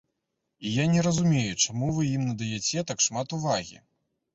І я не разумею, чаму вы ім надаяце так шмат увагі.